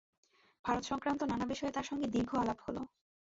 ভারতসংক্রান্ত নানা বিষয়ে তাঁর সঙ্গে দীর্ঘ আলাপ হল।